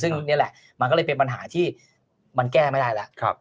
ซึ่งนี่แหละมันก็เลยเป็นปัญหาที่มันแก้ไม่ได้แล้ว